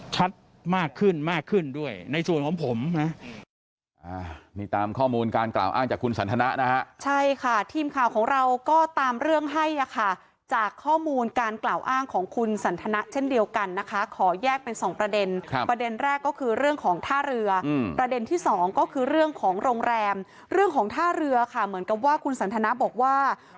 ชัดมากขึ้นมากขึ้นด้วยในส่วนของผมนะบอกว่า